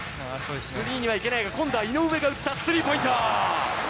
スリーにはいけないが、今度はいのうえが打った、スリーポイント。